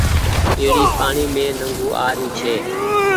ٻيڙي پآڻيٚ مين نڳون آرو ڇي۔